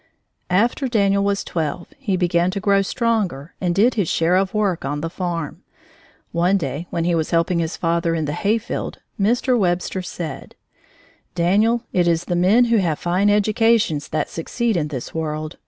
After Daniel was twelve, he began to grow stronger and did his share of work on the farm. One day when he was helping his father in the hayfield, Mr. Webster said: "Daniel, it is the men who have fine educations that succeed in this world.